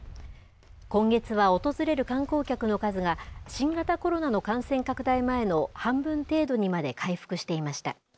今月は訪れる観光客の数が新型コロナの感染拡大前の半分程度にまで回復していました。